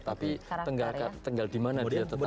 tapi tinggal di mana dia tetap